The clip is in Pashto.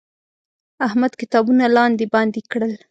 احمد کتابونه لاندې باندې کړل.